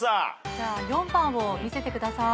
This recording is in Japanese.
じゃあ４番を見せてください。